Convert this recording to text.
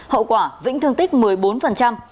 hậu quả vĩnh thương tích một mươi bốn